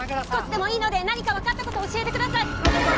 少しでもいいので何か分かったこと教えてください！